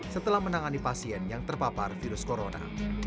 setelah menangani pasien yang terpapar virus corona